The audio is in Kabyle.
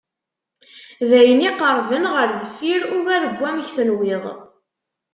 D ayen iqerben ɣer deffir ugar n wamek tenwiḍ.